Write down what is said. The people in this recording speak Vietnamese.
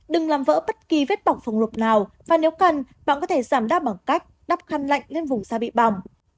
đừng làm vỡ bất kỳ vết bỏng phòng rộp nào và nếu cần bạn có thể giảm đáp bằng cách đắp khăn lạnh lên vùng da bị bỏng